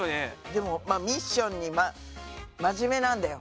でもミッションに真面目なんだよ。